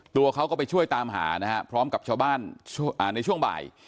ตัวเขาก็ไปช่วยตามหานะฮะพร้อมกับชาวบ้านในช่วงบ่าย